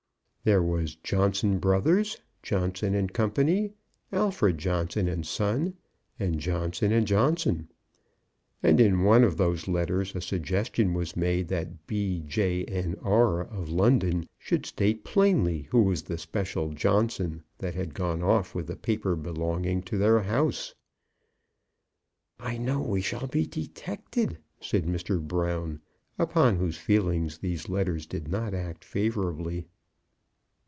There was "Johnson Brothers," "Johnson and Co.," "Alfred Johnson and Son," and "Johnson and Johnson;" and in one of those letters a suggestion was made that B., J., and R., of London, should state plainly who was the special Johnson that had gone off with the paper belonging to their house. "I know we shall be detected," said Mr. Brown, upon whose feelings these letters did not act favourably.